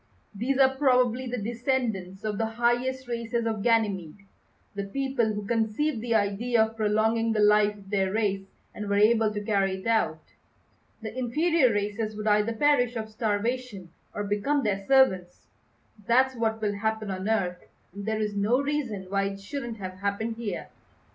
These are probably the descendants of the highest races of Ganymede; the people who conceived the idea of prolonging the life of their race and were able to carry it out. The inferior races would either perish of starvation or become their servants. That's what will happen on Earth, and there is no reason why it shouldn't have happened here."